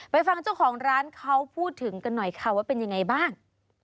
ไปฟังเจ้าของร้านเขาพูดถึงกันหน่อยค่ะว่าเป็นยังไงบ้าง